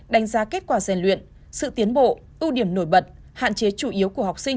đánh giá kết quả rèn luyện sự tiến bộ ưu điểm nổi bật hạn chế chủ yếu của học sinh